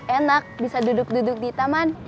enak bisa duduk duduk di taman